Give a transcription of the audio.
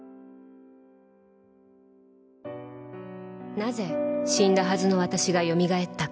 なぜ死んだはずの私がよみがえったか